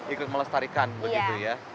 ikut melestarikan begitu ya